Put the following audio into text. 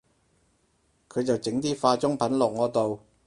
佢就整啲化妝品落我度